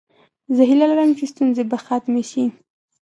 زه هیله لرم چې ستونزې به ختمې شي.